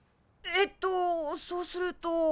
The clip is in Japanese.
えっとそうすると。